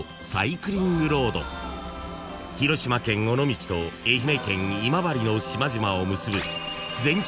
［広島県尾道と愛媛県今治の島々を結ぶ全長